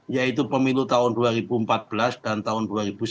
yaitu pemilu tahun dua ribu empat belas dan tahun dua ribu sembilan belas